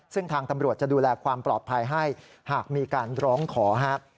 ซึ่งทางตำรวจจะดูแลความปลอดภัยให้หากมีการร้องขอครับ